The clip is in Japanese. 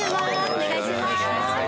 お願いします。